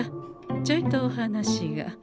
ちょいとお話が。